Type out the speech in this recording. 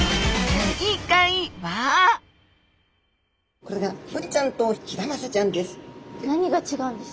これがブリちゃんとヒラマサちゃんです。